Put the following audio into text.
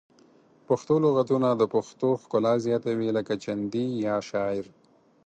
پښتو لغتونه د پښتو ښکلا زیاتوي لکه چندي یا شاعر